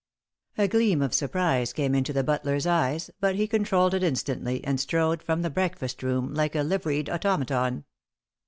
A gleam of surprise came into the butler's eyes, but he controlled it instantly, and strode from the breakfast room like a liveried automaton.